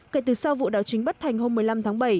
kể từ sau vụ đảo chính bất thành hôm một mươi năm tháng bảy